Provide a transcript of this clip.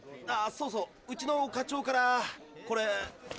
そうそううちの課長からこれ。